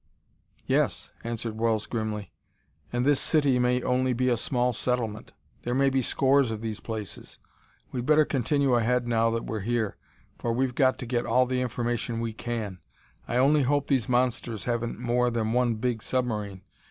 "Yes," answered Wells grimly, "and this 'city' may only be a small settlement; there may be scores of these places. We'd better continue ahead now that we're here; for we've got to get all the information we can. I only hope these monsters haven't more than one big submarine.